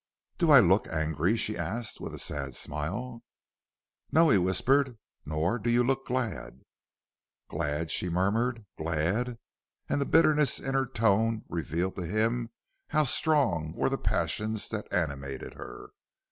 "Do I look angry?" she asked, with a sad smile. "No," he whispered; "nor do you look glad." "Glad," she murmured, "glad"; and the bitterness in her tone revealed to him how strong were the passions that animated her.